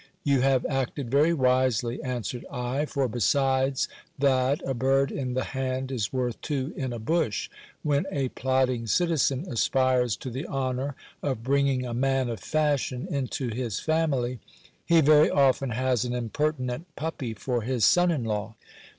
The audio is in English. You have acted very wisely, answered I ; for besides that a bird in the hand is worth two in a bush, when a plodding citizen aspires to the honour of bringing a man of fashion into his family, he very often has an impertinent puppy for his son in law.